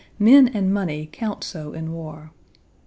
Men and money count so in war.